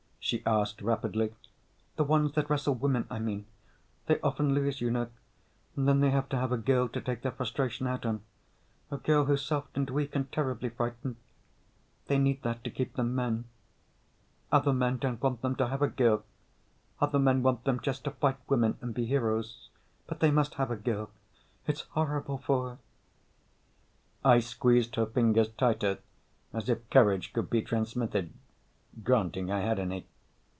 she asked rapidly. "The ones that wrestle women, I mean. They often lose, you know. And then they have to have a girl to take their frustration out on. A girl who's soft and weak and terribly frightened. They need that, to keep them men. Other men don't want them to have a girl. Other men want them just to fight women and be heroes. But they must have a girl. It's horrible for her." I squeezed her fingers tighter, as if courage could be transmitted granting I had any.